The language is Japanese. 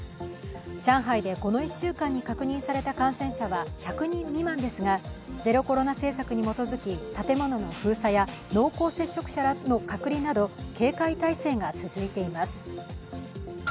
上海で、この１週間に確認された感染者は１００人未満ですが、ゼロコロナ政策に基づき建物の封鎖や濃厚接触者の隔離など警戒態勢が続いています。